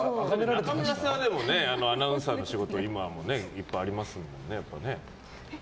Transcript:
中村さんは、でもねアナウンサーの仕事今もいっぱいありますもんね。